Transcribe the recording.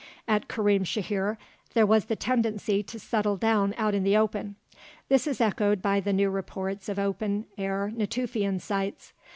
At Karim Shahir, there was the tendency to settle down out in the open; this is echoed by the new reports of open air Natufian sites.